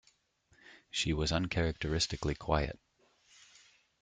She was uncharacteristically quiet.